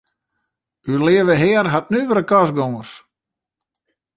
Us Leave Hear hat nuvere kostgongers.